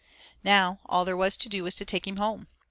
Now all there was to do was to take him home.